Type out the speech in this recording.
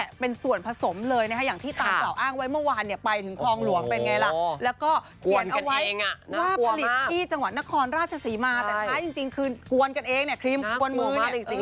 แล้วก็เขียนเอาไว้ว่าผลิตที่จังหวัดนครราชศรีมาแต่ถ้าจริงคือกวนกันเองเนี่ยครีมกวนมือเนี่ย